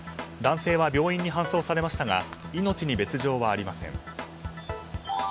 男性は病院に搬送されましたが命に別条はありません。